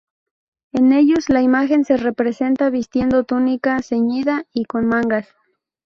En ellos, la imagen se representa vistiendo túnica ceñida y con mangas.